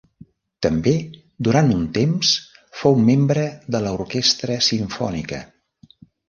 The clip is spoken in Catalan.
També, durant un temps fou membre de l'Orquestra Simfònica.